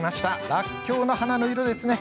らっきょうの花の色ですね！